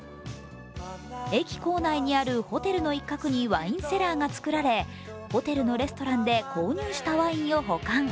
駅構内にあるホテルの一角にワインセラーが作られ、ホテルのレストランで購入したワインを保管。